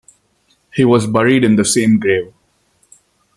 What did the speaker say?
He was buried in the same grave.